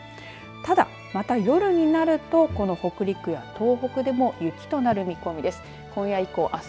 ただ、また夜になると北陸や東北でも雪となる見込みです。